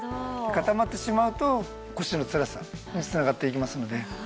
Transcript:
固まってしまうと腰のつらさに繋がっていきますので。